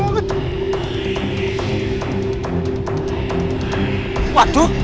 ini apaan tuh